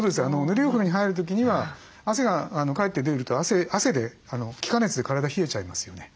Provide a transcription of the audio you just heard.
ぬるいお風呂に入る時には汗がかえって出ると汗で気化熱で体冷えちゃいますよね？